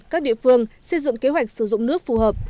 các địa phương xây dựng kế hoạch sử dụng nước phù hợp